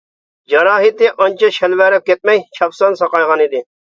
جاراھىتى ئانچە شەلۋەرەپ كەتمەي، چاپسان ساقايغانىدى.